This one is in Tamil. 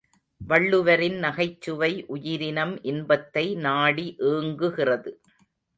வள்ளுவரின் நகைச்சுவை உயிரினம் இன்பத்தை நாடி ஏங்குகிறது.